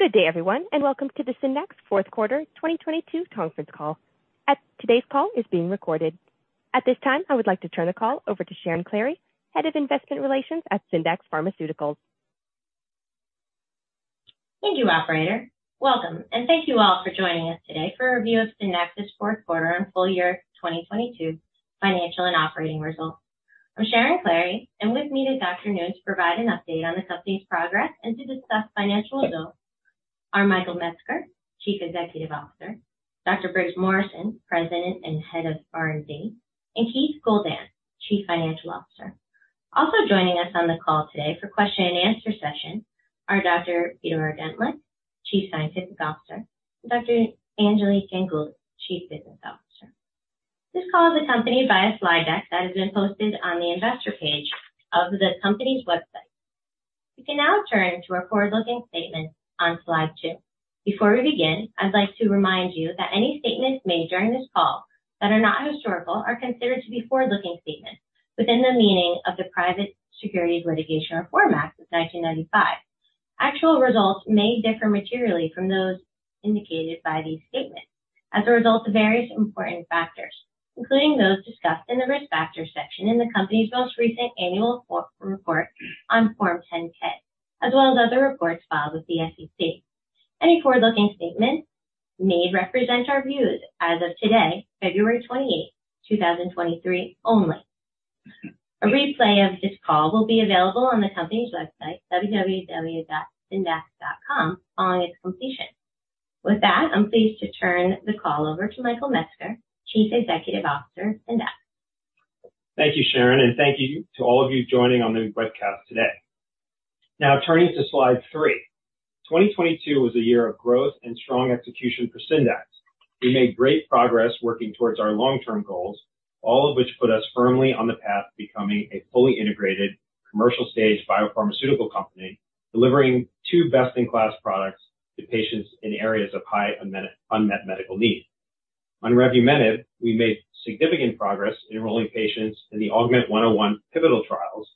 Good day, everyone, and welcome to the Syndax Fourth Quarter 2022 Conference Call. Today's call is being recorded. At this time, I would like to turn the call over to Sharon Klahre, Head of Investor Relations at Syndax Pharmaceuticals. Thank you, operator. Welcome, thank you all for joining us today for a review of Syndax's fourth quarter and full year 2022 financial and operating results. I'm Sharon Klahre, and with me this afternoon to provide an update on the company's progress and to discuss financial results are Michael Metzger, Chief Executive Officer, Dr. Briggs Morrison, President and Head of R&D, and Keith Goldan, Chief Financial Officer. Also joining us on the call today for question and answer session are Dr. Peter Ordentlich, Chief Scientific Officer, and Dr. Anjali Ganguli, Chief Business Officer. This call is accompanied by a slide deck that has been posted on the investor page of the company's website. We can now turn to our forward-looking statement on slide two. Before we begin, I'd like to remind you that any statements made during this call that are not historical are considered to be forward-looking statements within the meaning of the Private Securities Litigation Reform Act of 1995. Actual results may differ materially from those indicated by these statements as a result of various important factors, including those discussed in the Risk Factors section in the company's most recent annual report on Form 10-K, as well as other reports filed with the SEC. Any forward-looking statements may represent our views as of today, February 28, 2023 only. A replay of this call will be available on the company's website, www.syndax.com, following its completion. With that, I'm pleased to turn the call over to Michael Metzger, Chief Executive Officer, Syndax. Thank you, Sharon, thank you to all of you joining on the webcast today. Now, turning to slide three. 2022 was a year of growth and strong execution for Syndax. We made great progress working towards our long-term goals, all of which put us firmly on the path to becoming a fully integrated commercial stage biopharmaceutical company, delivering two best-in-class products to patients in areas of high unmet medical need. On revumenib, we made significant progress enrolling patients in the AUGMENT-101 pivotal trials,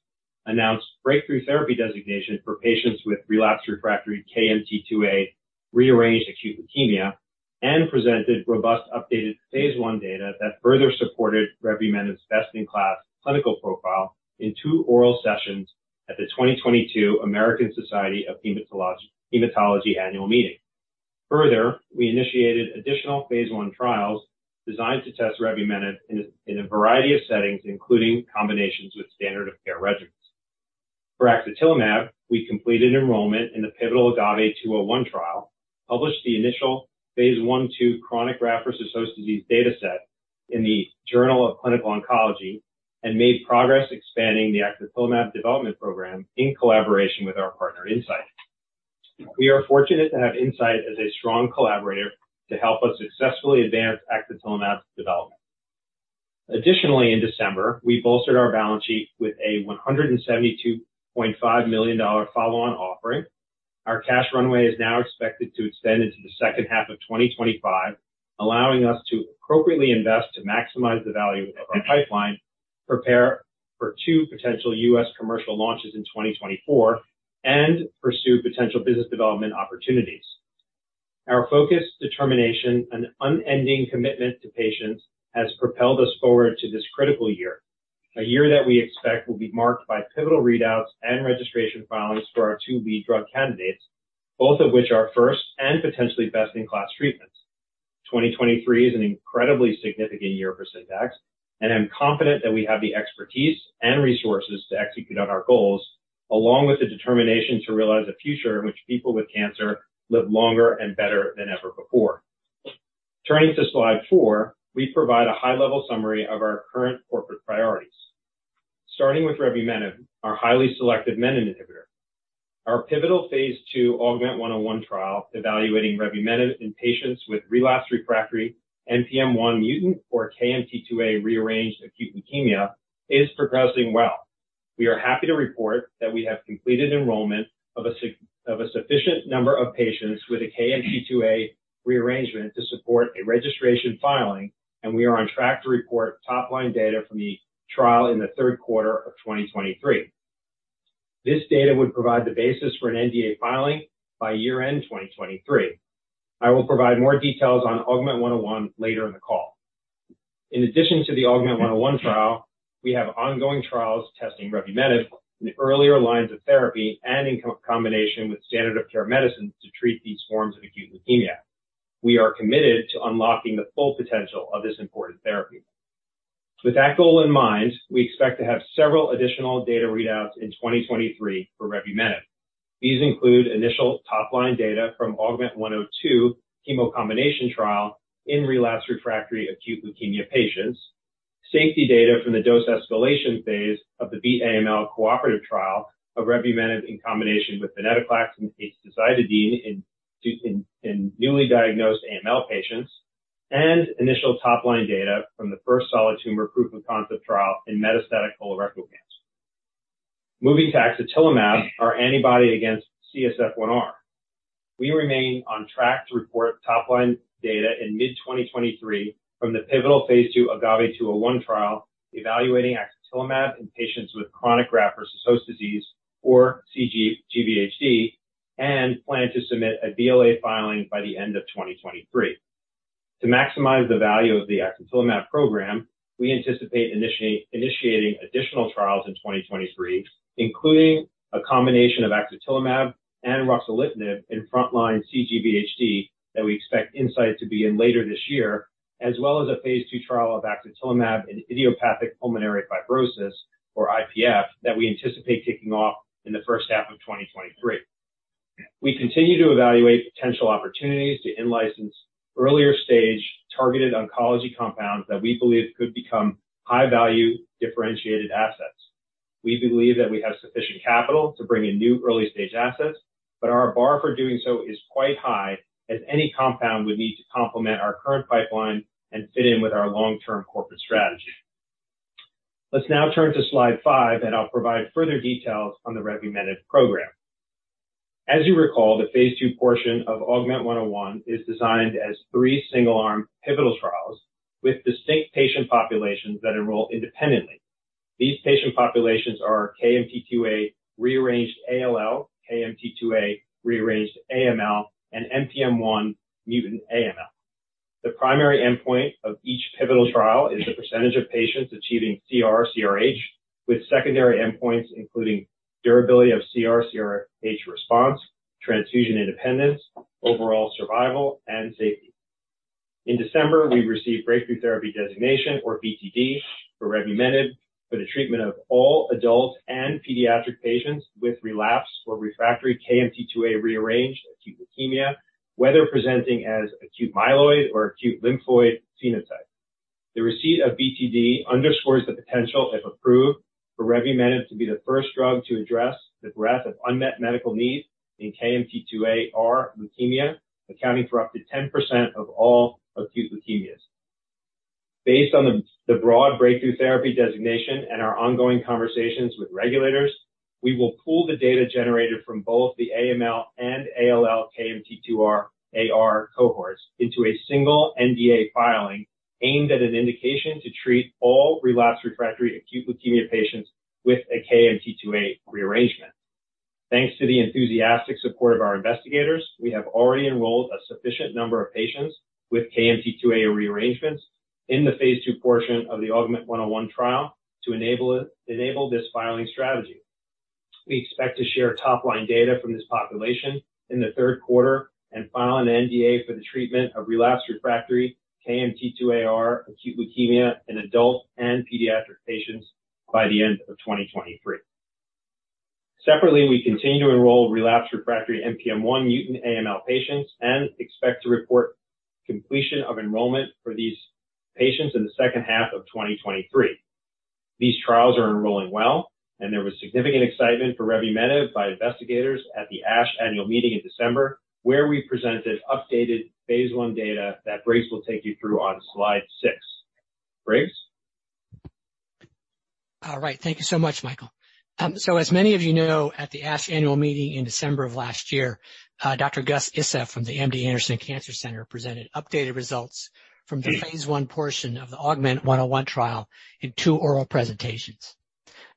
announced breakthrough therapy designation for patients with relapsed refractory KMT2A rearranged acute leukemia, and presented robust updated phase 1 data that further supported revumenib's best-in-class clinical profile in two oral sessions at the 2022 American Society of Hematology Annual Meeting. We initiated additional phase I trials designed to test revumenib in a variety of settings, including combinations with standard of care regimens. For axatilimab, we completed enrollment in the pivotal AGAVE-201 trial, published the initial phase I/II chronic graft-versus-host disease dataset in the Journal of Clinical Oncology, and made progress expanding the axatilimab development program in collaboration with our partner, Incyte. We are fortunate to have Incyte as a strong collaborator to help us successfully advance axatilimab's development. In December, we bolstered our balance sheet with a $172.5 million follow-on offering. Our cash runway is now expected to extend into the second half of 2025, allowing us to appropriately invest to maximize the value of our pipeline, prepare for two potential U.S. commercial launches in 2024, and pursue potential business development opportunities. Our focus, determination, and unending commitment to patients has propelled us forward to this critical year, a year that we expect will be marked by pivotal readouts and registration filings for our two lead drug candidates, both of which are first and potentially best-in-class treatments. 2023 is an incredibly significant year for Syndax, I'm confident that we have the expertise and resources to execute on our goals, along with the determination to realize a future in which people with cancer live longer and better than ever before. Turning to slide four, we provide a high-level summary of our current corporate priorities. Starting with revumenib, our highly selective menin inhibitor. Our pivotal phase II AUGMENT-101 trial, evaluating revumenib in patients with relapsed refractory NPM1 mutant or KMT2A rearranged acute leukemia, is progressing well. We are happy to report that we have completed enrollment of a sufficient number of patients with a KMT2A rearrangement to support a registration filing, and we are on track to report top-line data from the trial in the third quarter of 2023. This data would provide the basis for an NDA filing by year-end 2023. I will provide more details on AUGMENT-101 later in the call. In addition to the AUGMENT-101 trial, we have ongoing trials testing revumenib in the earlier lines of therapy and in combination with standard of care medicines to treat these forms of acute leukemia. We are committed to unlocking the full potential of this important therapy. With that goal in mind, we expect to have several additional data readouts in 2023 for revumenib. These include initial top-line data from AUGMENT-102 chemo combination trial in relapsed refractory acute leukemia patients, safety data from the dose escalation phase of the Beat AML cooperative trial of revumenib in combination with venetoclax and azacitidine in newly diagnosed AML patients, and initial top-line data from the first solid tumor proof-of-concept trial in metastatic colorectal cancer. Moving to axatilimab, our antibody against CSF1R. We remain on track to report top line data in mid 2023 from the pivotal phase II AGAVE-201 trial evaluating axatilimab in patients with chronic graft-versus-host disease, or cGVHD, and plan to submit a BLA filing by the end of 2023. To maximize the value of the axatilimab program, we anticipate initiating additional trials in 2023, including a combination of axatilimab and ruxolitinib in frontline cGVHD that we expect Incyte to be in later this year, as well as a phase II trial of axatilimab in idiopathic pulmonary fibrosis, or IPF, that we anticipate kicking off in the first half of 2023. We continue to evaluate potential opportunities to in-license earlier stage targeted oncology compounds that we believe could become high value differentiated assets. Our bar for doing so is quite high, as any compound would need to complement our current pipeline and fit in with our long-term corporate strategy. I'll provide further details on the revumenib program. As you recall, the phase II portion of AUGMENT-101 is designed as three single arm pivotal trials with distinct patient populations that enroll independently. These patient populations are KMT2A rearranged ALL, KMT2A rearranged AML, and NPM1 mutant AML. The primary endpoint of each pivotal trial is the % of patients achieving CR/CRh, with secondary endpoints including durability of CR/CRh response, transfusion independence, overall survival, and safety. In December, we received breakthrough therapy designation, or BTD, for revumenib for the treatment of all adult and pediatric patients with relapsed or refractory KMT2A rearranged acute leukemia, whether presenting as acute myeloid or acute lymphoid phenotype. The receipt of BTD underscores the potential, if approved, for revumenib to be the first drug to address the breadth of unmet medical needs in KMT2AR leukemia, accounting for up to 10% of all acute leukemias. Based on the broad breakthrough therapy designation and our ongoing conversations with regulators, we will pool the data generated from both the AML and ALL KMT2AR cohorts into a single NDA filing aimed at an indication to treat all relapsed refractory acute leukemia patients with a KMT2A rearrangement. Thanks to the enthusiastic support of our investigators, we have already enrolled a sufficient number of patients with KMT2A rearrangements in the phase II portion of the AUGMENT-101 trial to enable this filing strategy. We expect to share top-line data from this population in the third quarter and file an NDA for the treatment of relapsed refractory KMT2AR acute leukemia in adult and pediatric patients by the end of 2023. Separately, we continue to enroll relapsed refractory NPM1 mutant AML patients and expect to report completion of enrollment for these patients in the second half of 2023. These trials are enrolling well, and there was significant excitement for revumenib by investigators at the ASH Annual Meeting in December, where we presented updated phase I data that Briggs will take you through on slide six. Briggs? All right. Thank you so much, Michael. As many of you know, at the ASH Annual Meeting in December of last year, Doctor Ghayas Issa from the MD Anderson Cancer Center presented updated results from the phase 1 portion of the AUGMENT-101 trial in two oral presentations.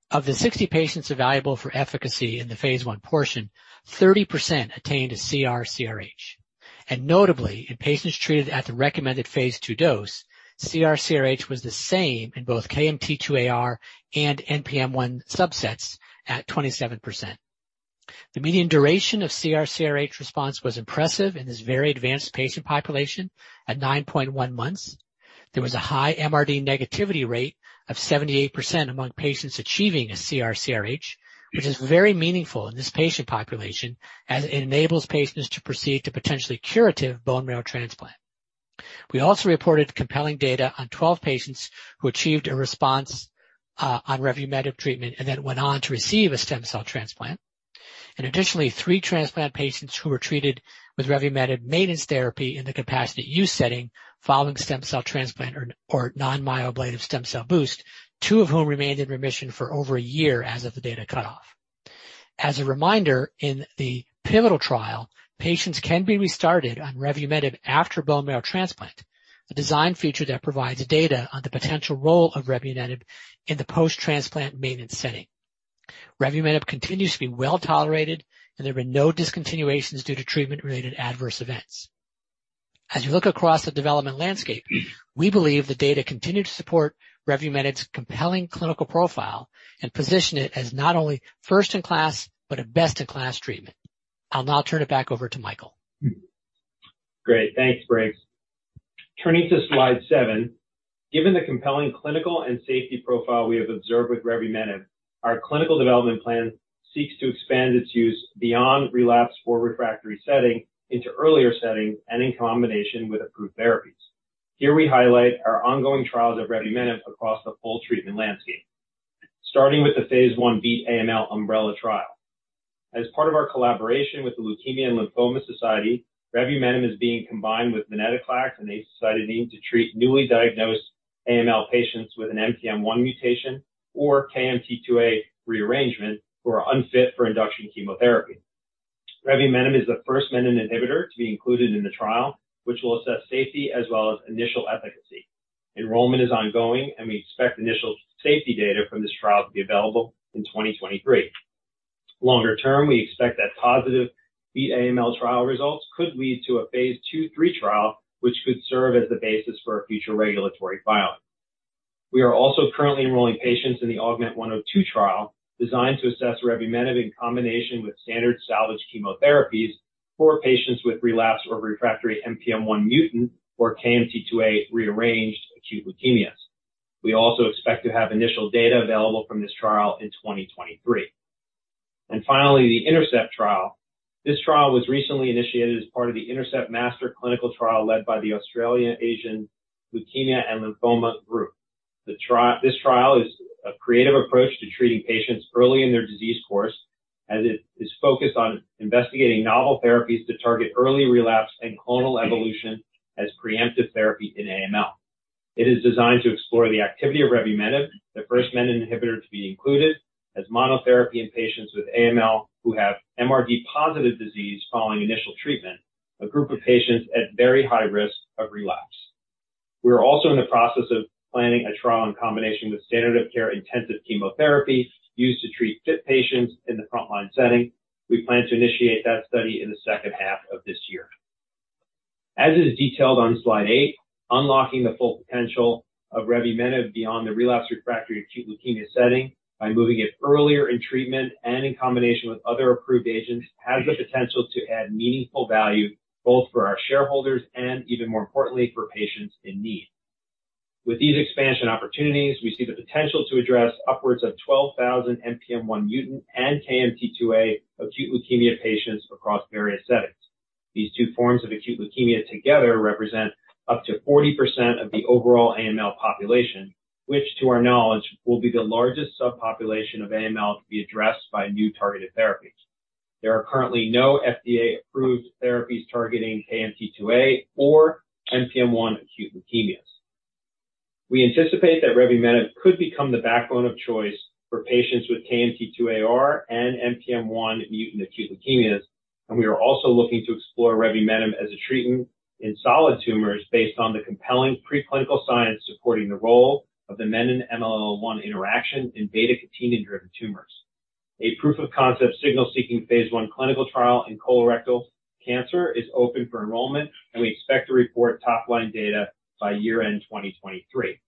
Of the 60 patients evaluable for efficacy in the phase I portion, 30% attained a CR/CRh. Notably, in patients treated at the recommended phase II dose, CR/CRh was the same in both KMT2AR and NPM1 subsets at 27%. The median duration of CR/CRh response was impressive in this very advanced patient population at 9.1 months. There was a high MRD negativity rate of 78% among patients achieving a CR/CRh, which is very meaningful in this patient population as it enables patients to proceed to potentially curative bone marrow transplant. We also reported compelling data on 12 patients who achieved a response on revumenib treatment and then went on to receive a stem cell transplant. Additionally, three transplant patients who were treated with revumenib maintenance therapy in the compassionate use setting following stem cell transplant or non-myeloablative stem cell boost, two of whom remained in remission for over a year as of the data cutoff. As a reminder, in the pivotal trial, patients can be restarted on revumenib after bone marrow transplant, a design feature that provides data on the potential role of revumenib in the post-transplant maintenance setting. Revumenib continues to be well-tolerated, and there have been no discontinuations due to treatment-related adverse events. As you look across the development landscape, we believe the data continue to support revumenib's compelling clinical profile and position it as not only first-in-class, but a best-in-class treatment. I'll now turn it back over to Michael. Great. Thanks, Briggs. Turning to slide seven. Given the compelling clinical and safety profile we have observed with revumenib, our clinical development plan seeks to expand its use beyond relapsed or refractory setting into earlier settings and in combination with approved therapies. Here we highlight our ongoing trials of revumenib across the full treatment landscape. Starting with the phase I Beat AML umbrella trial. As part of our collaboration with The Leukemia & Lymphoma Society, revumenib is being combined with venetoclax and azacitidine to treat newly diagnosed AML patients with an NPM1 mutation or KMT2A rearrangement who are unfit for induction chemotherapy. Revumenib is the first menin inhibitor to be included in the trial, which will assess safety as well as initial efficacy. Enrollment is ongoing, and we expect initial safety data from this trial to be available in 2023. Longer term, we expect that positive Beat AML trial results could lead to a phase II/III trial, which could serve as the basis for a future regulatory filing. We are also currently enrolling patients in the AUGMENT-102 trial, designed to assess revumenib in combination with standard salvage chemotherapies for patients with relapsed or refractory NPM1 mutant or KMT2A rearranged acute leukemias. We also expect to have initial data available from this trial in 2023. Finally, the INTERCEPT trial. This trial was recently initiated as part of the INTERCEPT master clinical trial led by the Australasian Leukaemia & Lymphoma Group. This trial is a creative approach to treating patients early in their disease course, as it is focused on investigating novel therapies to target early relapse and clonal evolution as preemptive therapy in AML. It is designed to explore the activity of revumenib, the first menin inhibitor to be included as monotherapy in patients with AML who have MRD-positive disease following initial treatment, a group of patients at very high risk of relapse. We are also in the process of planning a trial in combination with standard of care intensive chemotherapy used to treat fit patients in the frontline setting. We plan to initiate that study in the second half of this year. As is detailed on slide eight, unlocking the full potential of revumenib beyond the relapse refractory acute leukemia setting by moving it earlier in treatment and in combination with other approved agents, has the potential to add meaningful value both for our shareholders and, even more importantly, for patients in need. With these expansion opportunities, we see the potential to address upwards of 12,000 NPM1 mutant and KMT2A acute leukemia patients across various settings. These two forms of acute leukemia together represent up to 40% of the overall AML population, which to our knowledge will be the largest subpopulation of AML to be addressed by new targeted therapies. There are currently no FDA-approved therapies targeting KMT2A or NPM1 acute leukemias. We anticipate that revumenib could become the backbone of choice for patients with KMT2AR and NPM1 mutant acute leukemias. We are also looking to explore revumenib as a treatment in solid tumors based on the compelling preclinical science supporting the role of the menin-MLL1 interaction in beta-catenin-driven tumors. A proof of concept signal seeking phase I clinical trial in colorectal cancer is open for enrollment. We expect to report top-line data by year-end 2023.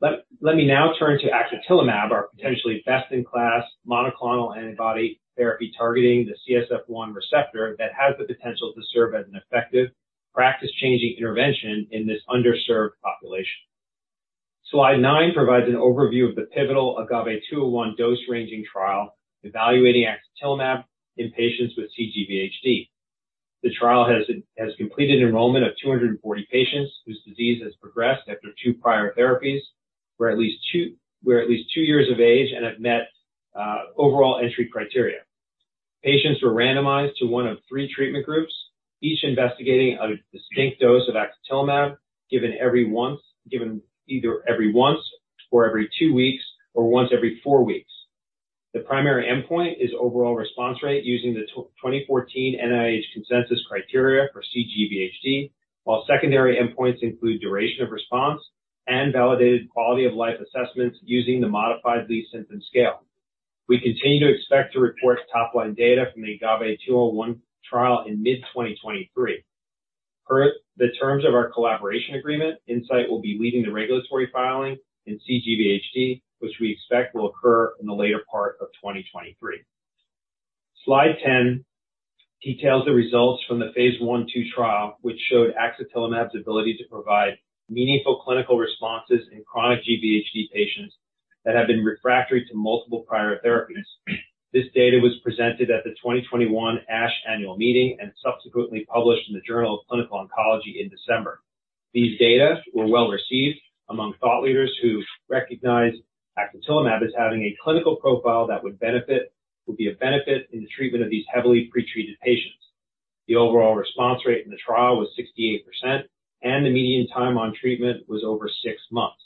Let me now turn to axatilimab, our potentially best-in-class monoclonal antibody therapy targeting the CSF-1 receptor that has the potential to serve as an effective practice-changing intervention in this underserved population. Slide nine provides an overview of the pivotal AGAVE-201 dose-ranging trial evaluating axatilimab in patients with cGVHD. The trial has completed enrollment of 240 patients whose disease has progressed after two prior therapies, were at least two years of age, and have met overall entry criteria. Patients were randomized to one of three treatment groups, each investigating a distinct dose of axatilimab given either every once or every two weeks or once every four weeks. The primary endpoint is overall response rate using the 2014 NIH consensus criteria for cGVHD, while secondary endpoints include duration of response and validated quality of life assessments using the Modified Lee Symptom Scale. We continue to expect to report top-line data from the AGAVE-201 trial in mid 2023. Per the terms of our collaboration agreement, Incyte will be leading the regulatory filing in cGVHD, which we expect will occur in the later part of 2023. Slide 10 details the results from the phase I/II trial, which showed axatilimab's ability to provide meaningful clinical responses in chronic GVHD patients that have been refractory to multiple prior therapies. This data was presented at the 2021 ASH Annual Meeting and subsequently published in the Journal of Clinical Oncology in December. These data were well-received among thought leaders who recognized axatilimab as having a clinical profile that would be of benefit in the treatment of these heavily pretreated patients. The overall response rate in the trial was 68%, and the median time on treatment was over 6 months.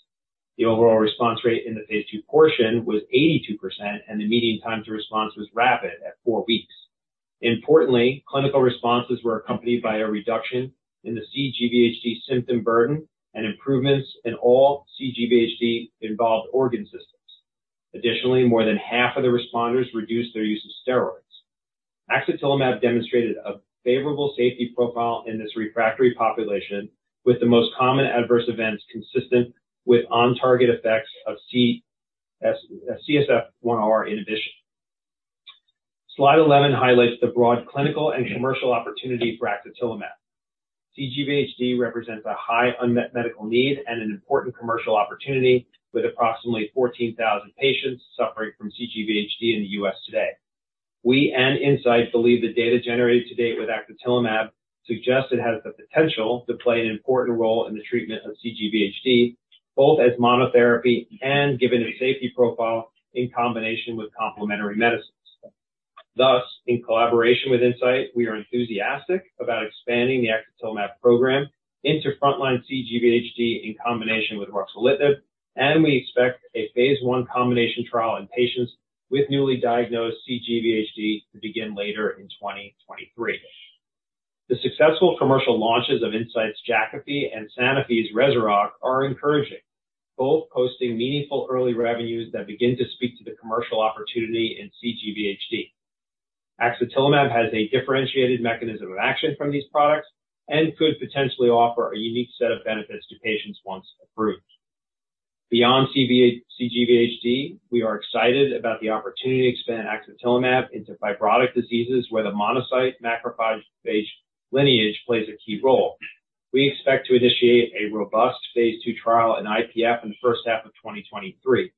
The overall response rate in the phase II portion was 82%, and the median time to response was rapid at four weeks. Importantly, clinical responses were accompanied by a reduction in the cGVHD symptom burden and improvements in all cGVHD involved organ systems. Additionally, more than half of the responders reduced their use of steroids. Axatilimab demonstrated a favorable safety profile in this refractory population, with the most common adverse events consistent with on-target effects of CSF1R inhibition. Slide 11 highlights the broad clinical and commercial opportunity for axatilimab. cGVHD represents a high unmet medical need and an important commercial opportunity with approximately 14,000 patients suffering from cGVHD in the U.S. today. We and Incyte believe the data generated to date with axatilimab suggests it has the potential to play an important role in the treatment of cGVHD. Both as monotherapy and given a safety profile in combination with complementary medicines. In collaboration with Incyte, we are enthusiastic about expanding the axatilimab program into frontline cGVHD in combination with ruxolitinib, and we expect a phase I combination trial in patients with newly diagnosed cGVHD to begin later in 2023. The successful commercial launches of Incyte's Jakafi and Sanofi's Rezurock are encouraging, both posting meaningful early revenues that begin to speak to the commercial opportunity in cGVHD. Axatilimab has a differentiated mechanism of action from these products and could potentially offer a unique set of benefits to patients once approved. Beyond cGVHD, we are excited about the opportunity to expand axatilimab into fibrotic diseases where the monocyte macrophage-based lineage plays a key role. We expect to initiate a robust phase II trial in IPF in the first half of 2023.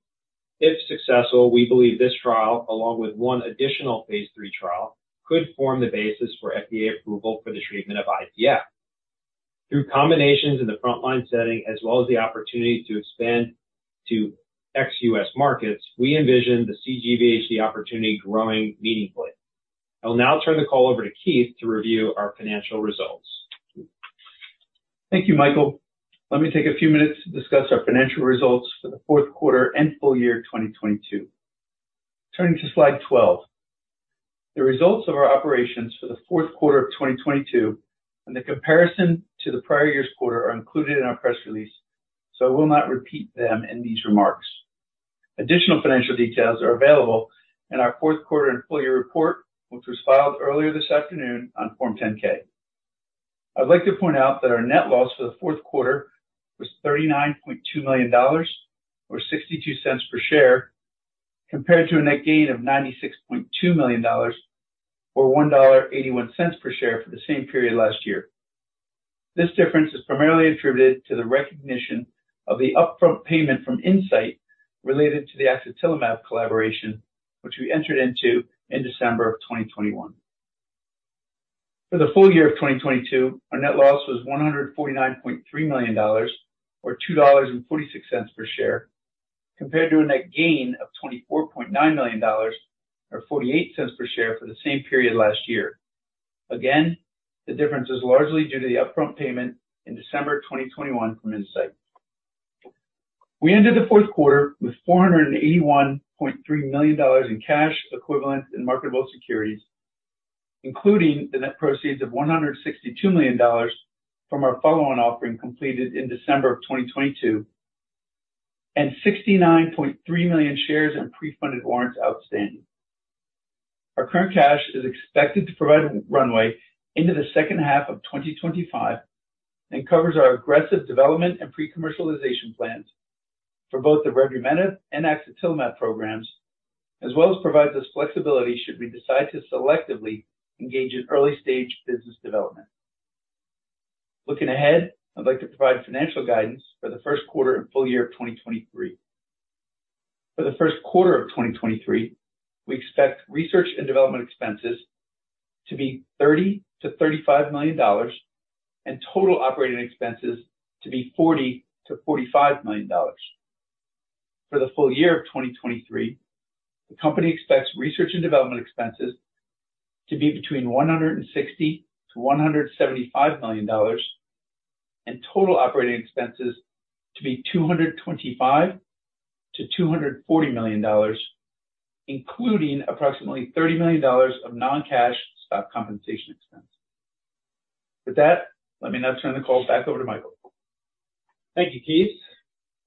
If successful, we believe this trial, along with one additional phase III trial, could form the basis for FDA approval for the treatment of IPF. Through combinations in the frontline setting, as well as the opportunity to expand to ex-US markets, we envision the cGVHD opportunity growing meaningfully. I will now turn the call over to Keith to review our financial results. Thank you, Michael. Let me take a few minutes to discuss our financial results for the fourth quarter and full year 2022. Turning to slide 12. The results of our operations for the fourth quarter of 2022 and the comparison to the prior year's quarter are included in our press release. I will not repeat them in these remarks. Additional financial details are available in our fourth quarter and full year report, which was filed earlier this afternoon on Form 10-K. I'd like to point out that our net loss for the fourth quarter was $39.2 million or $0.62 per share, compared to a net gain of $96.2 million or $1.81 per share for the same period last year. This difference is primarily attributed to the recognition of the upfront payment from Incyte related to the axatilimab collaboration, which we entered into in December of 2021. For the full year of 2022, our net loss was $149.3 million or $2.46 per share, compared to a net gain of $24.9 million or $0.48 per share for the same period last year. The difference is largely due to the upfront payment in December 2021 from Incyte. We ended the fourth quarter with $481.3 million in cash equivalent in marketable securities, including the net proceeds of $162 million from our follow-on offering completed in December of 2022, and 69.3 million shares in pre-funded warrants outstanding. Our current cash is expected to provide a runway into the second half of 2025 and covers our aggressive development and pre-commercialization plans for both the revumenib and axatilimab programs, as well as provides us flexibility should we decide to selectively engage in early-stage business development. Looking ahead, I'd like to provide financial guidance for the first quarter and full year of 2023. For the first quarter of 2023, we expect research and development expenses to be $30 million-$35 million and total operating expenses to be $40 million-$45 million. For the full year of 2023, the company expects research and development expenses to be between $160 million-$175 million and total operating expenses to be $225 million-$240 million, including approximately $30 million of non-cash stock compensation expense. With that, let me now turn the call back over to Michael. Thank you, Keith.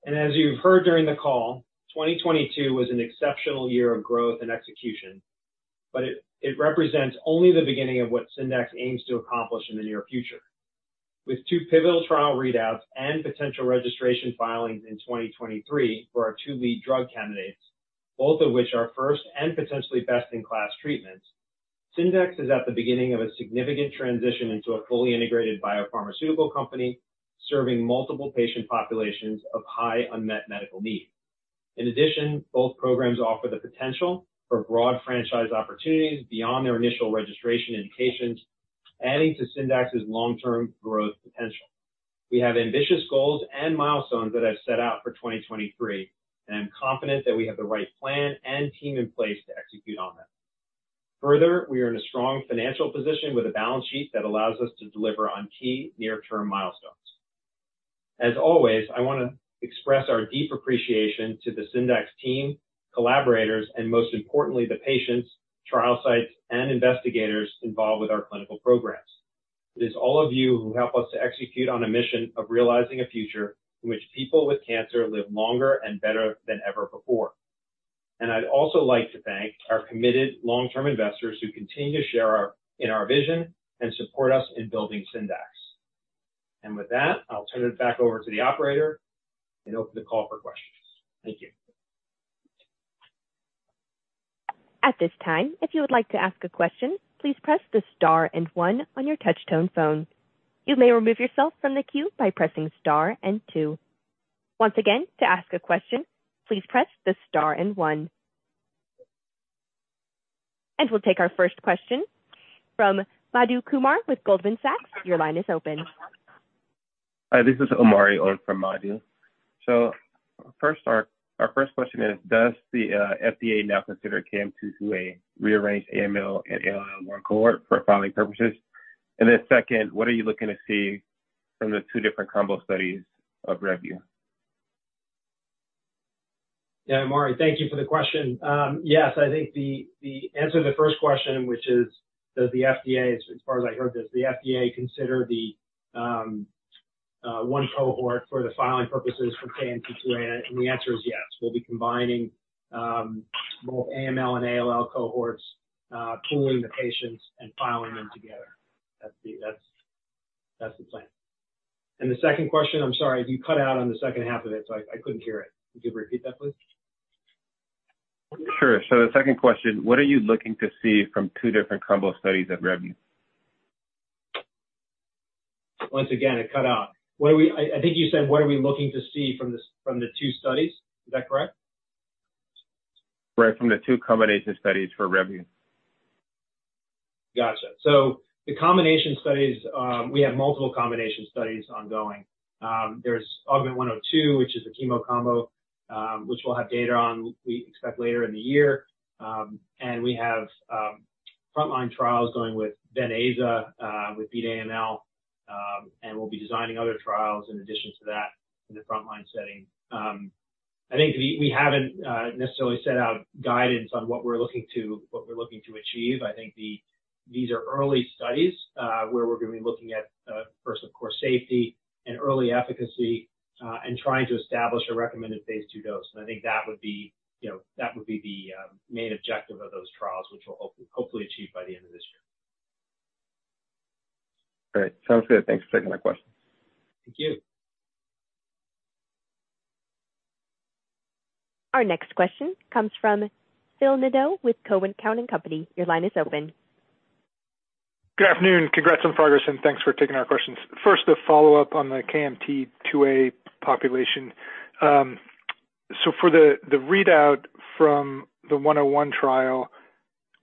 As you've heard during the call, 2022 was an exceptional year of growth and execution, but it represents only the beginning of what Syndax aims to accomplish in the near future. With two pivotal trial readouts and potential registration filings in 2023 for our two lead drug candidates, both of which are first and potentially best-in-class treatments, Syndax is at the beginning of a significant transition into a fully integrated biopharmaceutical company, serving multiple patient populations of high unmet medical need. In addition, both programs offer the potential for broad franchise opportunities beyond their initial registration indications, adding to Syndax's long-term growth potential. We have ambitious goals and milestones that I've set out for 2023, I'm confident that we have the right plan and team in place to execute on them. Further, we are in a strong financial position with a balance sheet that allows us to deliver on key near-term milestones. As always, I wanna express our deep appreciation to the Syndax team, collaborators, and most importantly, the patients, trial sites, and investigators involved with our clinical programs. It is all of you who help us to execute on a mission of realizing a future in which people with cancer live longer and better than ever before. I'd also like to thank our committed long-term investors who continue to share in our vision and support us in building Syndax. With that, I'll turn it back over to the operator and open the call for questions. Thank you. At this time, if you would like to ask a question, please press the star and one on your touch tone phone. You may remove yourself from the queue by pressing star and two. Once again, to ask a question, please press the star and one. We'll take our first question from Madhu Kumar with Goldman Sachs. Your line is open. Hi, this is Omari on for Madhu. Our first question is, does the FDA now consider KMT2A rearranged AML and ALL one cohort for filing purposes? Second, what are you looking to see from the two different combo studies of revumenib? Yeah, Omari, thank you for the question. Yes, I think the answer to the first question, which is does the FDA, as far as I heard this, does the FDA consider the one cohort for the filing purposes for KMT2A? The answer is yes. We'll be combining both AML and ALL cohorts, pooling the patients and filing them together. That's the plan. The second question, I'm sorry, you cut out on the second half of it, so I couldn't hear it. Could you repeat that, please? Sure. The second question, what are you looking to see from two different combo studies at revumenib? Once again, it cut out. I think you said, what are we looking to see from the two studies? Is that correct? Right. From the two combination studies for revumenib. Gotcha. The combination studies, we have multiple combination studies ongoing. There's AUGMENT-102, which is a chemo combo, which we'll have data on, we expect, later in the year. We have frontline trials going with Vidaza, with Beat AML. We'll be designing other trials in addition to that in the frontline setting. I think we haven't necessarily set out guidance on what we're looking to achieve. I think these are early studies, where we're gonna be looking at first, of course, safety and early efficacy, and trying to establish a recommended phase II dose. I think that would be, you know, that would be the main objective of those trials, which we'll hopefully achieve by the end of this year. Great. Sounds good. Thanks for taking my questions. Thank you. Our next question comes from Phil Nadeau with TD Cowen. Your line is open. Good afternoon. Congrats on progress, thanks for taking our questions. First, a follow-up on the KMT2A population. For the readout from the 101 trial,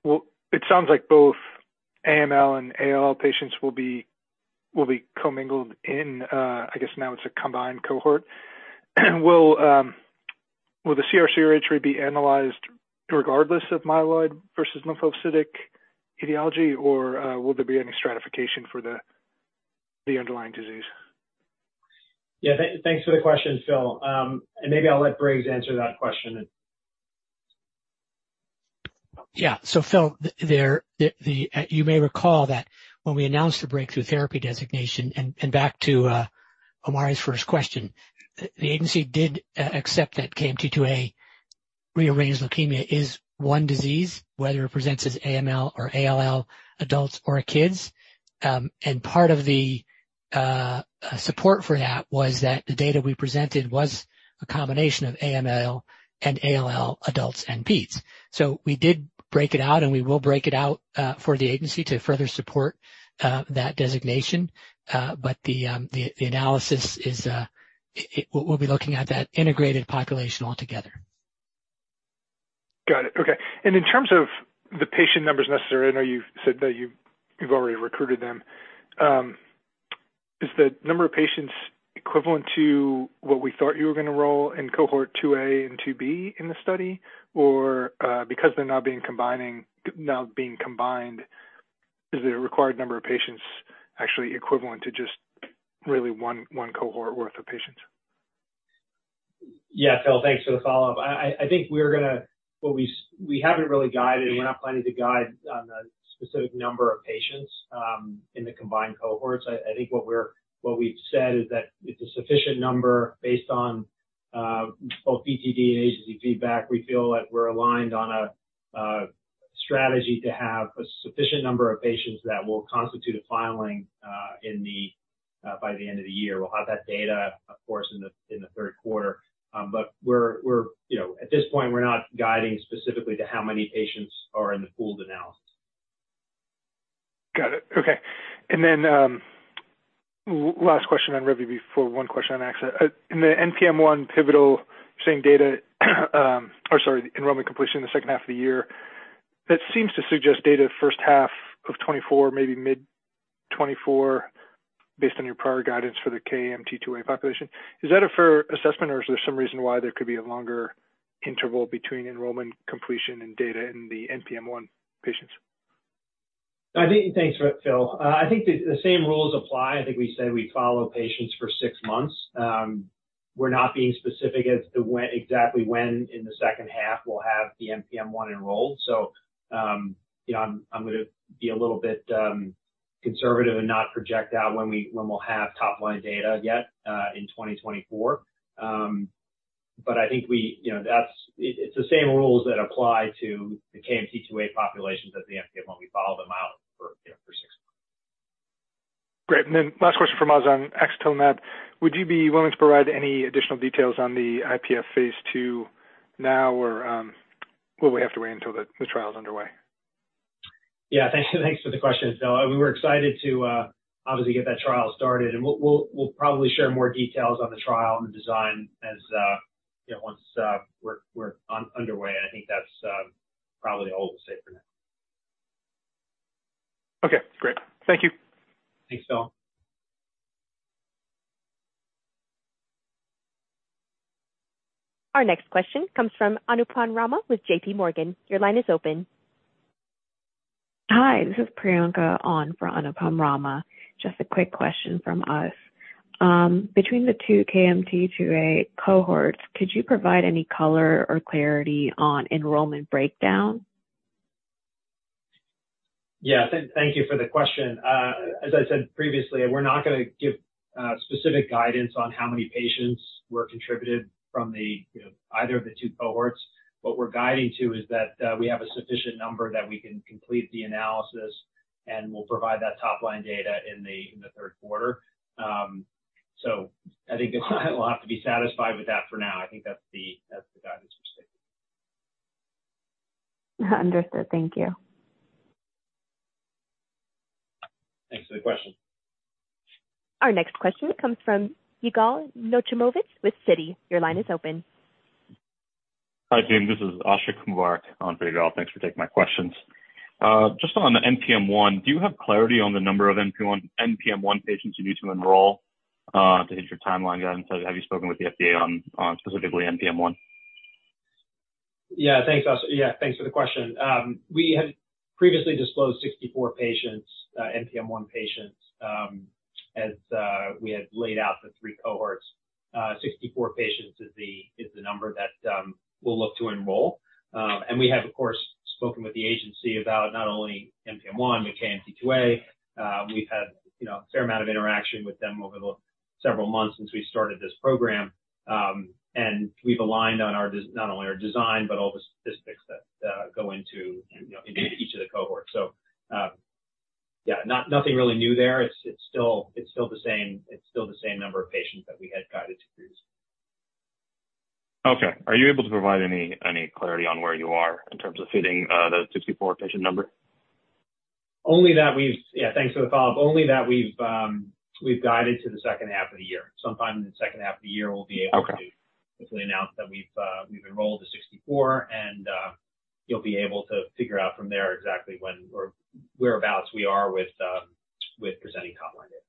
it sounds like both AML and ALL patients will be commingled in, I guess now it's a combined cohort. Will the CRc rate be analyzed regardless of myeloid versus lymphocytic etiology, or will there be any stratification for the underlying disease? Yeah, thanks for the question, Phil. Maybe I'll let Briggs answer that question. Yeah. Phil, you may recall that when we announced the breakthrough therapy designation, and back to Omari's first question, the agency did accept that KMT2A rearranged leukemia is one disease, whether it presents as AML or ALL, adults or kids. Part of the support for that was that the data we presented was a combination of AML and ALL, adults and peds. We did break it out, and we will break it out for the agency to further support that designation. The analysis is, we're looking at that integrated population altogether. Got it. Okay. In terms of the patient numbers necessary, I know you've already recruited them. Is the number of patients equivalent to what we thought you were gonna enroll in cohort 2A and 2B in the study? Because they're now being combined, is the required number of patients actually equivalent to just really one cohort worth of patients? Yeah. Phil, thanks for the follow-up. I think we haven't really guided, and we're not planning to guide on the specific number of patients in the combined cohorts. I think what we've said is that it's a sufficient number based on both EOP2 and agency feedback. We feel that we're aligned on a strategy to have a sufficient number of patients that will constitute a filing in the by the end of the year. We'll have that data, of course, in the third quarter. but we're, you know, at this point, we're not guiding specifically to how many patients are in the pooled analysis. Got it. Okay. Last question on revumenib before one question on axatilimab. In the NPM1 pivotal same data, or sorry, the enrollment completion in the second half of the year, that seems to suggest data first half of 2024, maybe mid-2024, based on your prior guidance for the KMT2A population. Is that a fair assessment, or is there some reason why there could be a longer interval between enrollment completion and data in the NPM1 patients? Thanks for that, Phil. I think the same rules apply. I think we said we'd follow patients for six months. We're not being specific as to exactly when in the second half we'll have the NPM1 enrolled. You know, I'm gonna be a little bit conservative and not project out when we'll have top-line data yet in 2024. I think we, you know, it's the same rules that apply to the KMT2A populations as the NPM1. We follow them out for, you know, for six months. Great. Then last question from us on axatilimab. Would you be willing to provide any additional details on the IPF phase II now, or, will we have to wait until the trial's underway? Yeah. Thanks. Thanks for the question, Phil. We were excited to obviously get that trial started, and we'll probably share more details on the trial and the design as, you know, once we're underway. I think that's probably all I'll say for now. Okay, great. Thank you. Thanks, Phil. Our next question comes from Anupam Rama with JPMorgan. Your line is open. Hi, this is Priyanka on for Anupam Rama. Just a quick question from us. Between the two KMT2A cohorts, could you provide any color or clarity on enrollment breakdown? Yeah. Thank you for the question. As I said previously, we're not gonna give specific guidance on how many patients were contributed from the, you know, either of the two cohorts. What we're guiding to is that we have a sufficient number that we can complete the analysis, and we'll provide that top line data in the third quarter. I think we'll have to be satisfied with that for now. I think that's the guidance we're seeking. Understood. Thank you. Thanks for the question. Our next question comes from Yigal Nochomovitz with Citi. Your line is open. Hi, team, this is Ashiq Mubarack on for Yigal. Thanks for taking my questions. Just on the NPM1, do you have clarity on the number of NPM1 patients you need to enroll to hit your timeline on? Have you spoken with the FDA on specifically NPM1? Yeah. Thanks, Asher. Yeah, thanks for the question. We had previously disclosed 64 patients, NPM1 patients, as we had laid out the three cohorts. 64 patients is the number that we'll look to enroll. We have, of course, spoken with the agency about not only NPM1, but KMT2A. We've had, you know, a fair amount of interaction with them over the several months since we started this program. We've aligned on our not only our design, but all the statistics that go into, you know, each of the cohorts. Yeah, nothing really new there. It's still the same number of patients that we had guided to produce. Okay. Are you able to provide any clarity on where you are in terms of hitting the 64 patient number? Yeah, thanks for the follow-up. Only that we've guided to the second half of the year. Sometime in the second half of the year, we'll be able to. Okay. -quickly announce that we've enrolled the 64, and you'll be able to figure out from there exactly when or whereabouts we are with presenting top line data.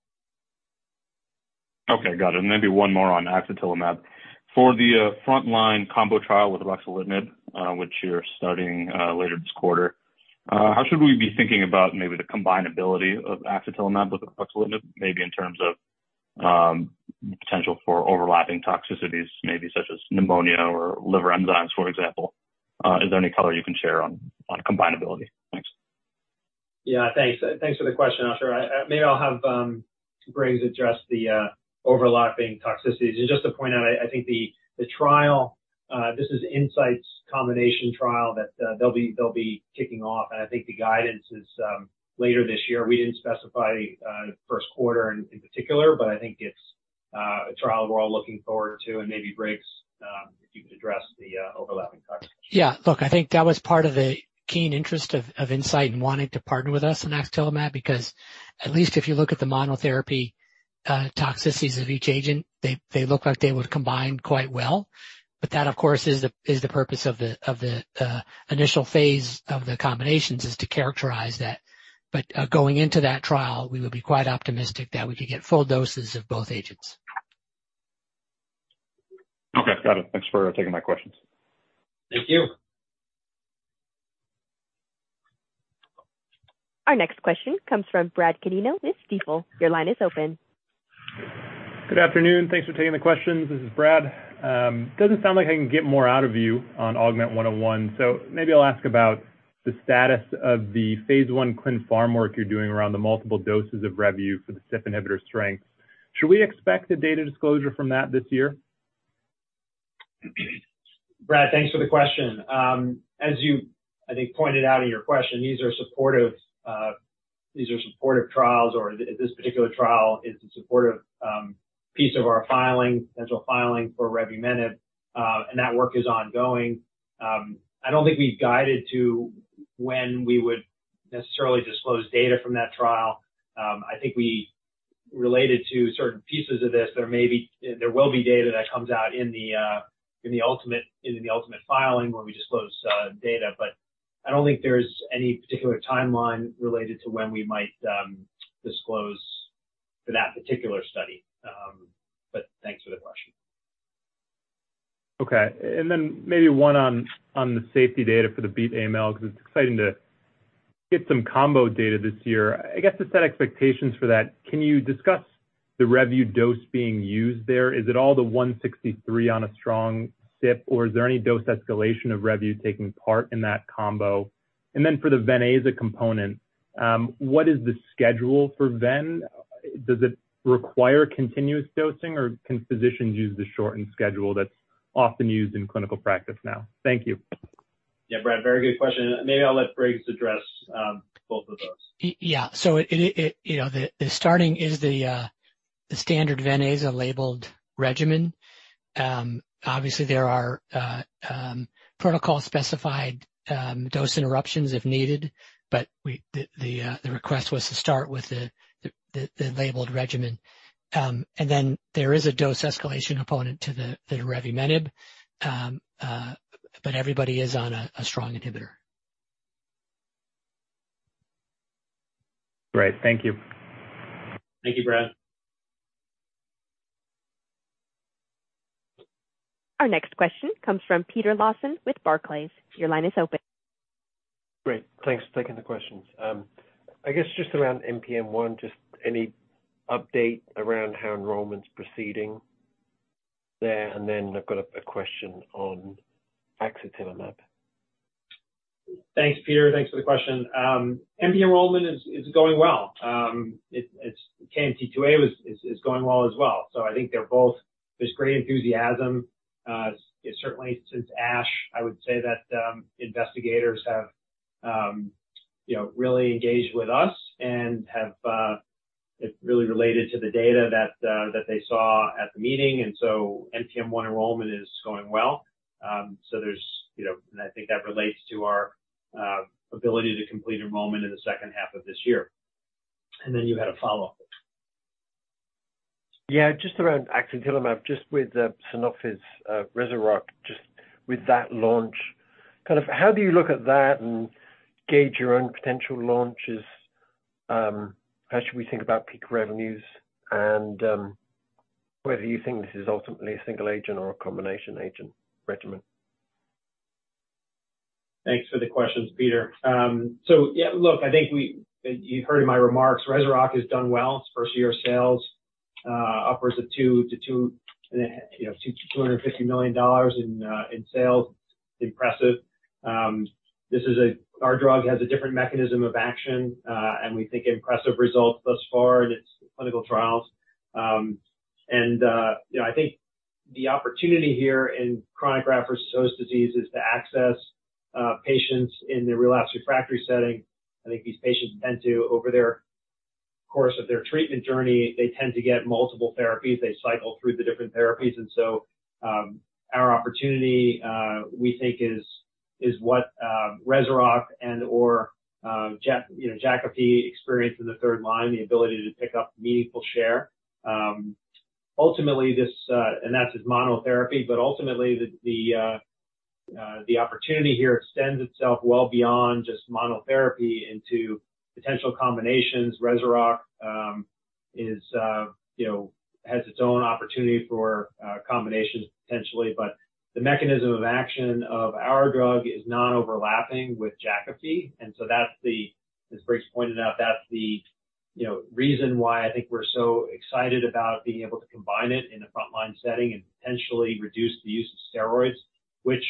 Okay, got it. Maybe one more on axatilimab. For the frontline combo trial with ruxolitinib, which you're starting later this quarter, how should we be thinking about maybe the combinability of axatilimab with ruxolitinib, maybe in terms of potential for overlapping toxicities, maybe such as pneumonia or liver enzymes, for example? Is there any color you can share on combinability? Thanks. Yeah, thanks. Thanks for the question, Ashiq. Maybe I'll have Briggs address the overlapping toxicities. Just to point out, I think the trial, this is Incyte's combination trial that they'll be kicking off. I think the guidance is later this year. We didn't specify first quarter in particular, but I think it's a trial we're all looking forward to. Maybe, Briggs, if you could address the overlapping toxicity. Yeah. Look, I think that was part of the keen interest of Incyte in wanting to partner with us on axatilimab, because at least if you look at the monotherapy toxicities of each agent, they look like they would combine quite well. That, of course, is the purpose of the initial phase of the combinations, is to characterize that. Going into that trial, we would be quite optimistic that we could get full doses of both agents. Okay. Got it. Thanks for taking my questions. Thank you. Our next question comes from Brad Canino with Stifel. Your line is open. Good afternoon. Thanks for taking the questions. This is Brad. Doesn't sound like I can get more out of you on AUGMENT-101, so maybe I'll ask about the status of the phase I clin pharm work you're doing around the multiple doses of revuevumenib for the CYP inhibitor strength. Should we expect a data disclosure from that this year? Brad, thanks for the question. As you, I think, pointed out in your question, these are supportive, these are supportive trials or this particular trial is a supportive piece of our filing, central filing for revumenib, and that work is ongoing. I don't think we've guided to when we would necessarily disclose data from that trial. I think we related to certain pieces of this. There will be data that comes out in the ultimate, in the ultimate filing where we disclose data, but I don't think there's any particular timeline related to when we might disclose for that particular study. Thanks for the question. Okay. Then maybe one on the safety data for the Beat AML, 'cause it's exciting to get some combo data this year. I guess, to set expectations for that, can you discuss the revumenib dose being used there? Is it all the 163 on a strong CYP, or is there any dose escalation of revumenib taking part in that combo? For the Ven/Aza component, what is the schedule for Ven? Does it require continuous dosing, or can physicians use the shortened schedule that's often used in clinical practice now? Thank you. Yeah. Brad, very good question, and maybe I'll let Briggs address both of those. Yeah. It, you know, the starting is the. The standard Ven/Aza is a labeled regimen. Obviously there are protocol specified dose interruptions if needed, but the request was to start with the labeled regimen. Then there is a dose escalation component to the revumenib, but everybody is on a strong inhibitor. Great. Thank you. Thank you, Brad. Our next question comes from Peter Lawson with Barclays. Your line is open. Great. Thanks for taking the questions. I guess just around NPM1, just any update around how enrollment's proceeding there, and then I've got a question on axatilimab. Thanks, Peter. Thanks for the question. MP enrollment is going well. It's KMT2A is going well as well. I think they're both... There's great enthusiasm. Certainly since ASH, I would say that investigators have, you know, really engaged with us and have really related to the data that they saw at the meeting. NPM1 enrollment is going well. There's, you know, and I think that relates to our ability to complete enrollment in the second half of this year. Then you had a follow-up. Just around axatilimab, just with Sanofi's Rezurock, just with that launch, kind of how do you look at that and gauge your own potential launches? How should we think about peak revenues and whether you think this is ultimately a single agent or a combination agent regimen? Thanks for the questions, Peter. Yeah, look, I think you heard in my remarks, Rezurock has done well. Its first year of sales, upwards of, you know, $250 million in sales. Impressive. This is our drug has a different mechanism of action, we think impressive results thus far in its clinical trials. You know, I think the opportunity here in chronic graft-versus-host disease is to access patients in the relapsed refractory setting. I think these patients tend to, over their course of their treatment journey, they tend to get multiple therapies. They cycle through the different therapies. Our opportunity, we think is what Rezurock and/or, you know, Jakafi experienced in the third line, the ability to pick up meaningful share. Ultimately, this, and that's just monotherapy, but ultimately the opportunity here extends itself well beyond just monotherapy into potential combinations. Rezurock, you know, has its own opportunity for combinations potentially. The mechanism of action of our drug is non-overlapping with Jakafi. That's the, as Briggs pointed out, that's the, you know, reason why I think we're so excited about being able to combine it in a frontline setting and potentially reduce the use of steroids, which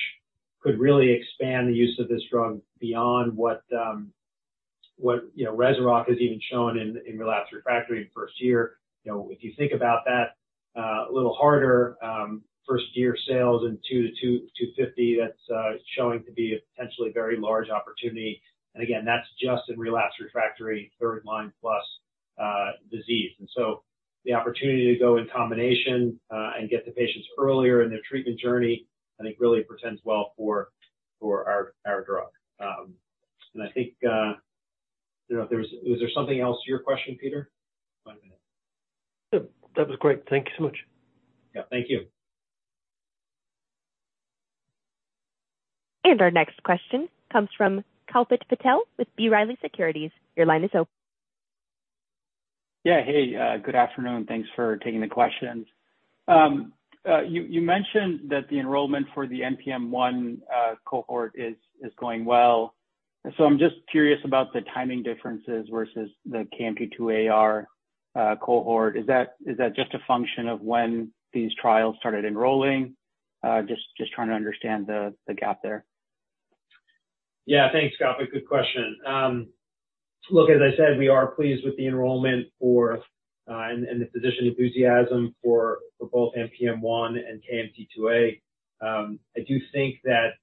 could really expand the use of this drug beyond what, you know, Rezurock has even shown in relapsed refractory in the first year. You know, if you think about that, a little harder, first year sales in $2-$250, that's showing to be a potentially very large opportunity. Again, that's just in relapsed refractory third line plus, disease. The opportunity to go in combination, and get the patients earlier in their treatment journey, I think really portends well for our drug. I think, you know, was there something else to your question, Peter? No. That was great. Thank you so much. Yeah. Thank you. Our next question comes from Kalpit Patel with B. Riley Securities. Your line is open. Yeah. Hey, good afternoon. Thanks for taking the questions. You mentioned that the enrollment for the NPM1 cohort is going well. I'm just curious about the timing differences versus the KMT2A cohort. Is that just a function of when these trials started enrolling? Just trying to understand the gap there. Thanks, Kalpit. Good question. Look, as I said, we are pleased with the enrollment for and the physician enthusiasm for both NPM1 and KMT2A. I do think that,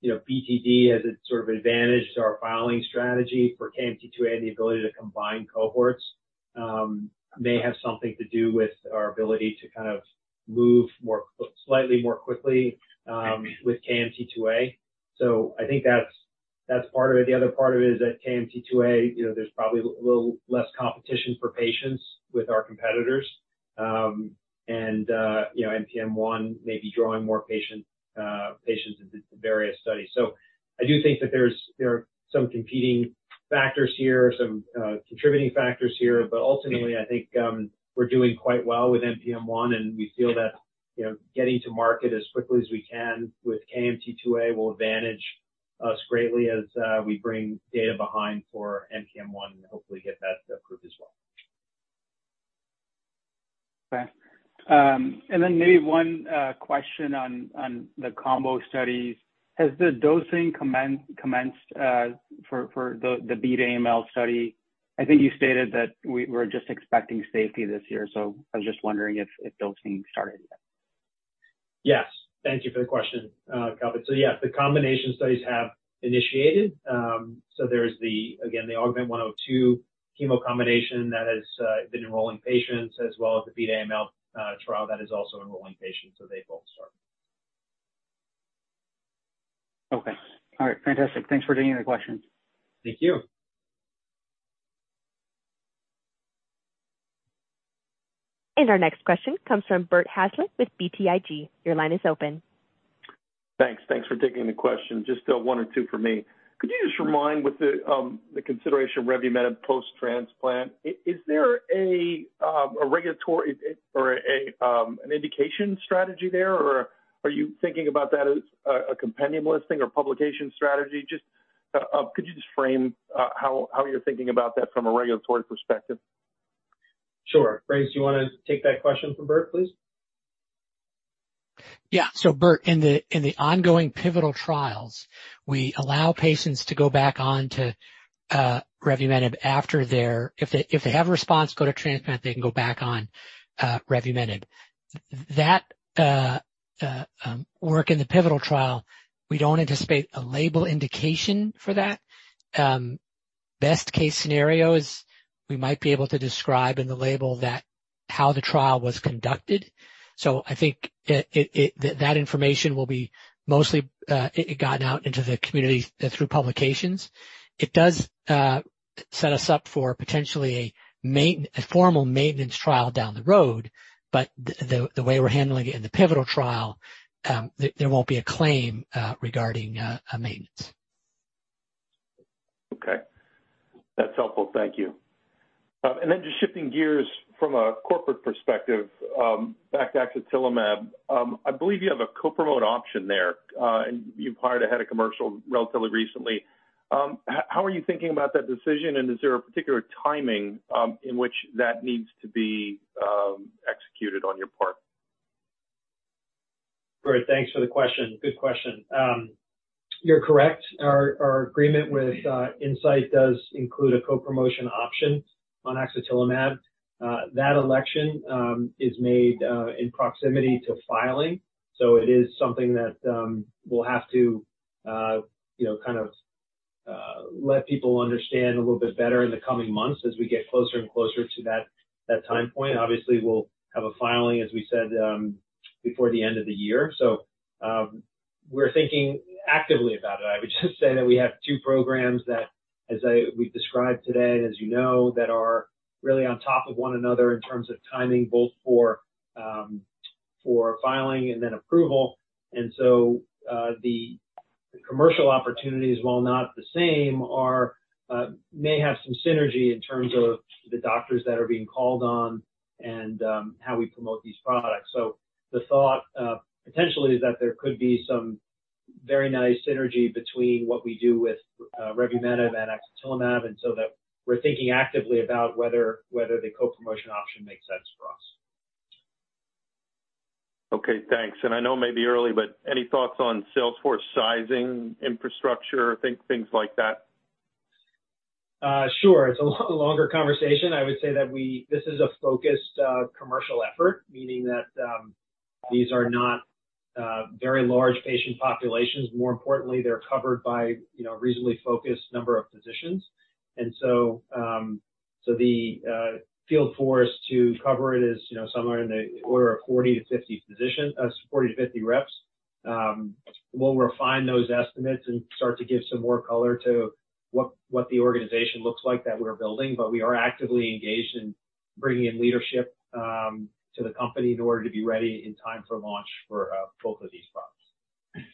you know, BTD has its sort of advantage to our filing strategy for KMT2A, the ability to combine cohorts, may have something to do with our ability to kind of move slightly more quickly with KMT2A. I think that's part of it. The other part of it is that KMT2A, you know, there's probably a little less competition for patients with our competitors. You know, NPM1 may be drawing more patients into the various studies. I do think that there are some competing factors here, some contributing factors here. Ultimately, I think, we're doing quite well with NPM1, and we feel that, you know, getting to market as quickly as we can with KMT-two-A will advantage us greatly as we bring data behind for NPM1 and hopefully get that approved as well. Okay. Maybe one question on the combo studies. Has the dosing commenced for the Beat AML study? I think you stated that we're just expecting safety this year, so I was just wondering if dosing started yet. Yes. Thank you for the question, Kalpit. Yeah, the combination studies have initiated. There's the, again, the AUGMENT-102 chemo combination that has been enrolling patients, as well as the Beat AML trial that is also enrolling patients. They both start. Okay. All right. Fantastic. Thanks for taking the question. Thank you. Our next question comes from Bert Hazlett with BTIG. Your line is open. Thanks. Thanks for taking the question. Just one or two for me. Could you just remind what the consideration of revumenib post-transplant. Is there a regulatory or an indication strategy there? Are you thinking about that as a compendium listing or publication strategy? Just could you just frame how you're thinking about that from a regulatory perspective? Sure. Briggs, do you wanna take that question from Bert, please? Yeah. Bert, in the ongoing pivotal trials, we allow patients to go back on to revumenib. If they have a response, go to transplant, they can go back on revumenib. That work in the pivotal trial, we don't anticipate a label indication for that. Best case scenario is we might be able to describe in the label that how the trial was conducted. I think that information will be mostly gotten out into the community through publications. It does set us up for potentially a formal maintenance trial down the road. The way we're handling it in the pivotal trial, there won't be a claim regarding maintenance. Okay. That's helpful. Thank you. Then just shifting gears from a corporate perspective, back to axatilimab. I believe you have a co-promote option there, and you've hired a head of commercial relatively recently. How are you thinking about that decision, and is there a particular timing in which that needs to be executed on your part? Great. Thanks for the question. Good question. You're correct. Our agreement with Incyte does include a co-promotion option on axatilimab. That election is made in proximity to filing. It is something that we'll have to, you know, kind of, let people understand a little bit better in the coming months as we get closer and closer to that time point. Obviously, we'll have a filing, as we said, before the end of the year. We're thinking actively about it. I would just say that we have two programs that, as we've described today, and as you know, that are really on top of one another in terms of timing, both for filing and then approval. The commercial opportunities, while not the same, are may have some synergy in terms of the doctors that are being called on and how we promote these products. The thought potentially is that there could be some very nice synergy between what we do with revumenib and axatilimab, and so that we're thinking actively about whether the co-promotion option makes sense for us. Okay, thanks. I know it may be early, but any thoughts on Salesforce sizing, infrastructure, things like that? Sure. It's a lot longer conversation. I would say that this is a focused, commercial effort, meaning that, these are not, very large patient populations. More importantly, they're covered by, you know, a reasonably focused number of physicians. So the field force to cover it is, you know, somewhere in the order of 40 to 50 reps. We'll refine those estimates and start to give some more color to what the organization looks like that we're building. We are actively engaged in bringing in leadership, to the company in order to be ready in time for launch for, both of these products.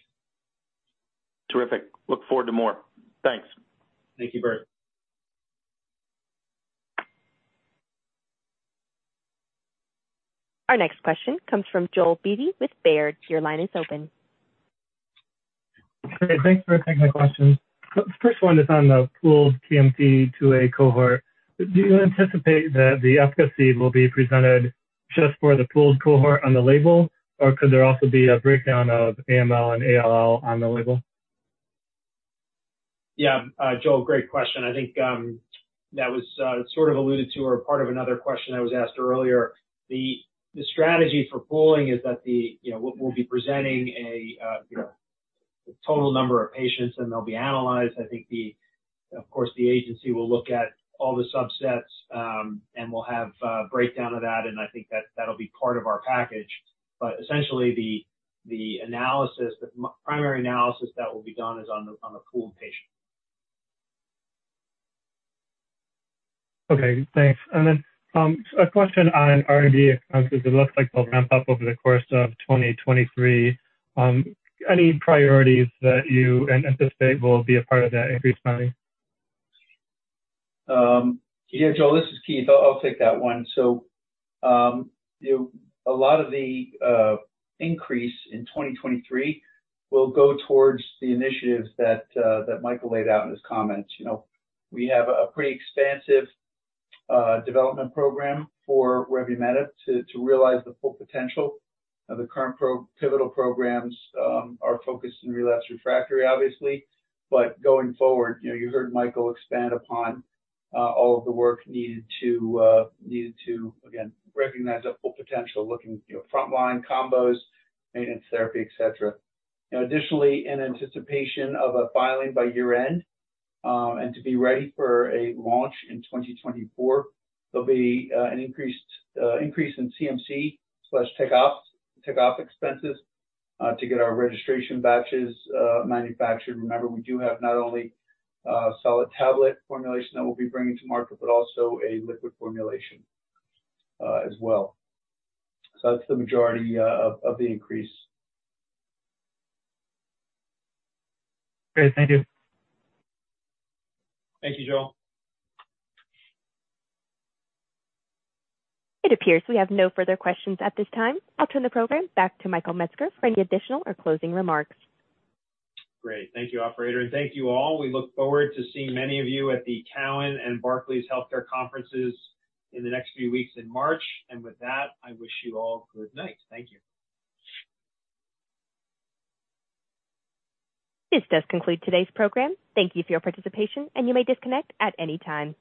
Terrific. Look forward to more. Thanks. Thank you, Bert. Our next question comes from Joel Beatty with Baird. Your line is open. Great. Thanks for taking my questions. First one is on the pooled KMT2A cohort. Do you anticipate that the efficacy will be presented just for the pooled cohort on the label, or could there also be a breakdown of AML and ALL on the label? Yeah. Joel, great question. I think that was sort of alluded to or part of another question that was asked earlier. The strategy for pooling is that, you know, we'll be presenting a, you know, total number of patients, and they'll be analyzed. I think, of course, the agency will look at all the subsets, and will have a breakdown of that, and I think that that'll be part of our package. Essentially, the analysis, the primary analysis that will be done is on the pooled patient. Okay, thanks. A question on R&D expenses. It looks like they'll ramp up over the course of 2023. Any priorities that you anticipate will be a part of that increased spending? Yeah, Joel, this is Keith. I'll take that one. You know, a lot of the increase in 2023 will go towards the initiatives that Michael laid out in his comments. You know, we have a pretty expansive development program for revumenib to realize the full potential. The current pivotal programs are focused in relapse refractory, obviously. Going forward, you know, you heard Michael expand upon all of the work needed to again, recognize the full potential, looking, you know, frontline combos, maintenance therapy, et cetera. You know, additionally, in anticipation of a filing by year-end, and to be ready for a launch in 2024, there'll be an increased increase in CMC/tech opt expenses to get our registration batches manufactured. Remember, we do have not only a solid tablet formulation that we'll be bringing to market, but also a liquid formulation as well. That's the majority of the increase. Great. Thank you. Thank you, Joel. It appears we have no further questions at this time. I'll turn the program back to Michael Metzger for any additional or closing remarks. Great. Thank you, operator. Thank you all. We look forward to seeing many of you at the Cowen and Barclays Healthcare Conferences in the next few weeks in March. With that, I wish you all good night. Thank you. This does conclude today's program. Thank you for your participation, and you may disconnect at any time.